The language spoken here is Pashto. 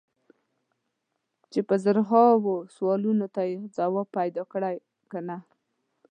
چې په زرهاوو سوالونو ته یې ځواب پیدا کړی که نه.